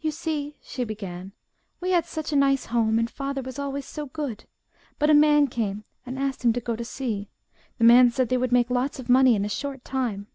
"You see," she began, "we had such a nice home and father was always so good. But a man came and asked him to go to sea. The man said they would make lots of money in a short time.